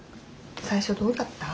最初どうだった？